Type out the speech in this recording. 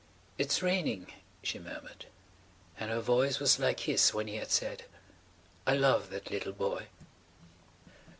"It's raining," she murmured. And her voice was like his when he had said: "I love that little boy."